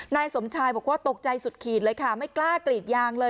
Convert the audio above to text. นายสมชายบอกว่าตกใจสุดขีดเลยค่ะไม่กล้ากรีดยางเลย